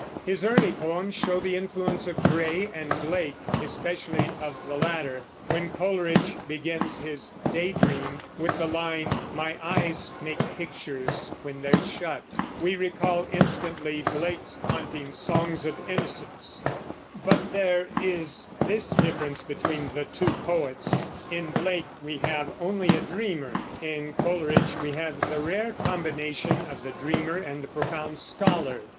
His early poems show the influence of Gray and Blake, especially of the latter. When Coleridge begins his "Day Dream" with the line, "My eyes make pictures when they're shut," we recall instantly Blake's haunting Songs of Innocence. But there is this difference between the two poets, in Blake we have only a dreamer; in Coleridge we have the rare combination of the dreamer and the profound scholar.